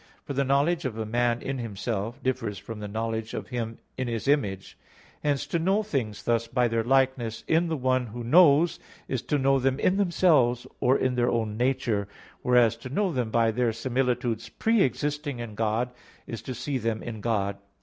For the knowledge of a man in himself differs from the knowledge of him in his image. Hence to know things thus by their likeness in the one who knows, is to know them in themselves or in their own nature; whereas to know them by their similitudes pre existing in God, is to see them in God.